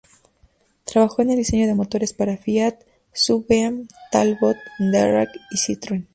Trabajó en el diseño de motores para Fiat, Sunbeam, Talbot, Darracq y Citroën.